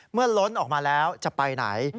เมื่อล้นออกมาแล้วจะไปไหน